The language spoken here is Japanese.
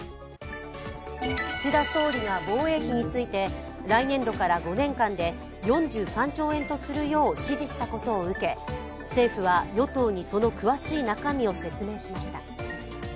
岸田総理が防衛費について来年度から５年間で４３兆円とするよう指示したことを受け政府は与党にその詳しい中身を説明しました。